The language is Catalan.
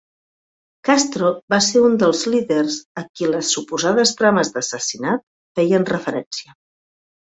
Castro va ser un dels líders a qui les "suposades trames d'assassinat" feien referència.